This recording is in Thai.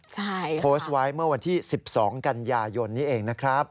ใช่ค่ะค่ะพูดไว้เมื่อวันที่๑๒กันยายนนี้เองนะครับ